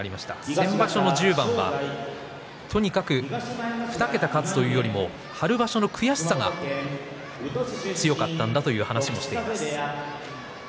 先場所の終盤はとにかく２桁勝つというよりも春場所の悔しさが強かったんだという話をしています。